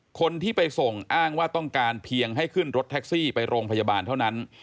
คนที่ไปส่งอ้างว่าต้องการเพียงให้ขึ้นรถแท็กซี่ไปโรงพยาบาลเท่านั้น